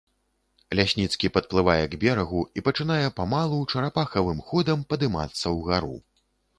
Лясніцкі падплывае к берагу і пачынае памалу, чарапахавым ходам падымацца ўгару.